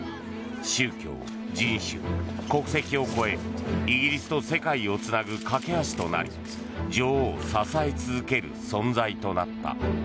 宗教、人種、国籍を越えイギリスと世界をつなぐ架け橋となり女王を支え続ける存在となった。